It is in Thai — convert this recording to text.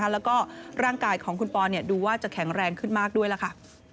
แล้วก็ร่างกายของคุณปอนดูว่าจะแข็งแรงขึ้นมากด้วยล่ะค่ะ